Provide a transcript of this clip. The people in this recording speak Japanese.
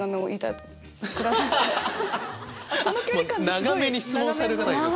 長めに質問される方がいる。